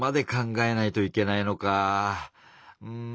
「うん」。